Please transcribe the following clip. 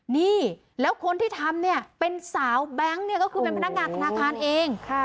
นี่แล้วคนที่ทำเนี่ยเป็นสาวแบงค์เนี่ยก็คือเป็นพนักงานธนาคารเอง